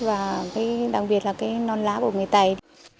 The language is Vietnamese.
và đặc biệt là cái nón lá của người tây